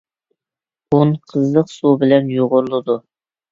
ئۇن قىزىق سۇ بىلەن يۇغۇرۇلىدۇ.